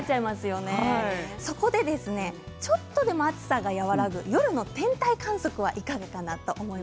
そこでちょっとでも暑さが和らぐ夜の天体観測はいかがでしょうか。